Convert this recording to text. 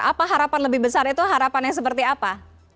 apa harapan lebih besar itu harapannya seperti apa